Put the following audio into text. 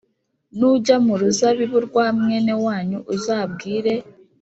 nujya mu ruzabibu rwa mwene wanyu uzabwire